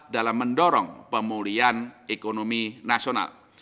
dalam mendorong pemulihan ekonomi nasional